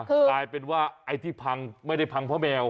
กลายเป็นว่าไอ้ที่พังไม่ได้พังเพราะแมว